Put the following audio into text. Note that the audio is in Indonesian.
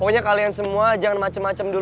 musuh tata disamu samu ini